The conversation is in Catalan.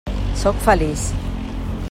Sóc feliç.